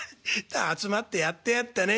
集まってやってやったね」。